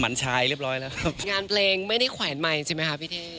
งานเพลงไม่ได้แขวนใหม่ใช่มั้ยครับพี่เท่